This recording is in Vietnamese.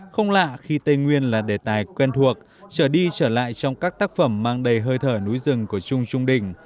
không lạ khi tây nguyên là đề tài quen thuộc trở đi trở lại trong các tác phẩm mang đầy hơi thở núi rừng của trung trung đình